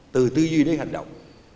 từ tư duy đến hành động